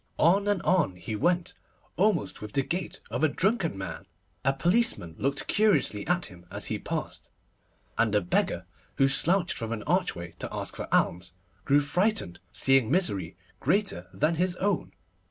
On and on he went, almost with the gait of a drunken man. A policeman looked curiously at him as he passed, and a beggar, who slouched from an archway to ask for alms, grew frightened, seeing misery greater than his own.